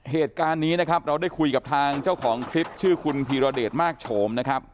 เหตุการณ์นี้นะครับเราได้คุยกับทางเจ้าของคลิปชื่อคุณพีรเดชมากโฉมนะครับ